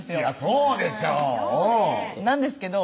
そうでしょうなんですけど